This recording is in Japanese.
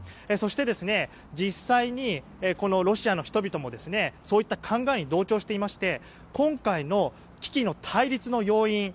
そして、実際にこのロシアの人々もそういった考えに同調していまして今回の危機の対立の要因